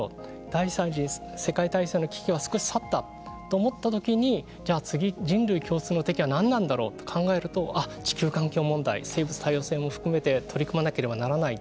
第三次世界大戦の危機は少し去ったと思った時にじゃあ、次、人類共通の敵は何なんだろうと考えると地球環境問題生物多様性も含めて取り組まなければならない。